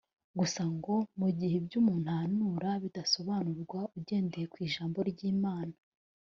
Gusa ngo mu gihe ibyo umuntu ahanura bitasobanurwa ugendeye ku ijambo ry’Imana